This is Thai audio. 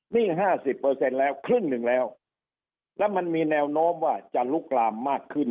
นี่๕๐แล้วครึ่งหนึ่งแล้วแล้วมันมีแนวโน้มว่าจะลุกลามมากขึ้น